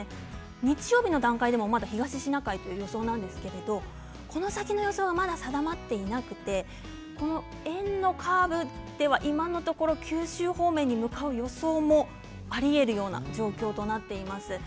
日曜日の段階でもまだ東シナ海にいる予想なんですけれどもこの先の予想はまだ定まっていなくて円のカーブでは今のところ九州方面に向かう予想もありえるような状況となっています。